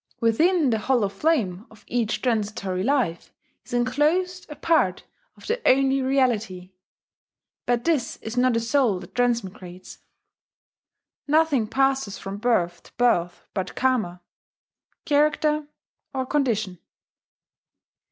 Within the hollow flame of each transitory life is enclosed a part of the only Reality; but this is not a soul that transmigrates. Nothing passes from birth to birth but Karma, character or condition.